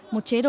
một chế độ